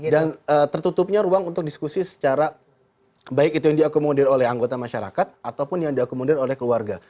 dan tertutupnya ruang untuk diskusi secara baik itu yang diakomodir oleh anggota masyarakat atau yang diakomodir oleh keluarga